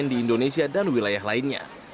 di indonesia dan wilayah lainnya